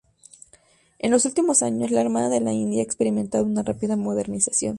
En los últimos años, la Armada de la India ha experimentado una rápida modernización.